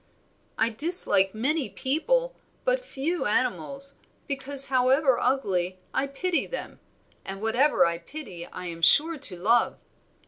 "I dislike many people, but few animals, because however ugly I pity them, and whatever I pity I am sure to love.